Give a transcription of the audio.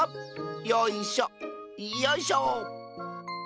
よいしょよいしょ。